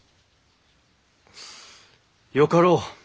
よかろう。